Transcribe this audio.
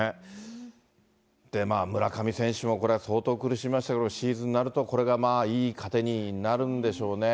まあ村上選手もこれ、相当苦しみましたけど、シーズンになると、これがいい糧になるんでしょうね。